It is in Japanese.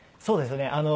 そうですね。